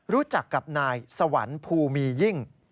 รู้จักกับนายสวรรค์ภูมียิ่ง